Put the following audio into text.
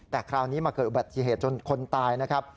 แต่คราวนี้มาเกิดอุบัติเหตุจนคนตายนะครับ